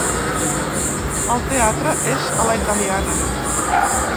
El teatre és a la italiana.